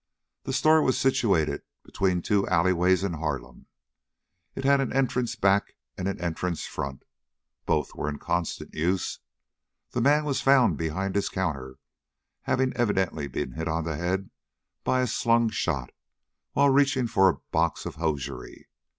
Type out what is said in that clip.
The store was situated between two alley ways in Harlem. It had an entrance back and an entrance front. Both were in constant use. The man was found behind his counter, having evidently been hit on the head by a slung shot while reaching for a box of hosiery.